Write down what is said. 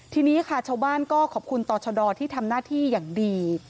ทีนี้ค่ะชาวบ้านก็ขอบคุณต่อชะดอที่ทำหน้าที่อย่างดี